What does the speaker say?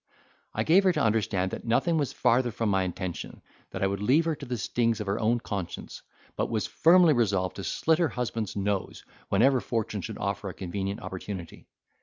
I gave her to understand, that nothing was farther from my intention, that I would leave her to the stings of her own conscience; but was firmly resolved to slit her husband's nose, whenever fortune should offer a convenient opportunity.